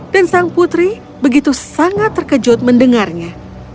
dan sang putri begitu sangat terkejut mendengarnya